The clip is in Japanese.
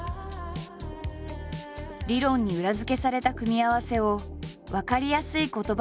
理論に裏付けされた組み合わせを分かりやすい言葉で表現。